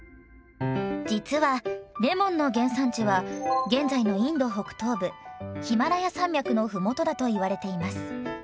実はレモンの原産地は現在のインド北東部ヒマラヤ山脈のふもとだと言われています。